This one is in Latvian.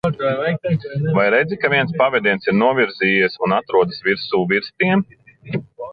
Vai redzi ka viens pavediens ir novirzījies un atrodas virsū virs tiem?